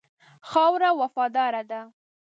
خاوره وفاداره ده.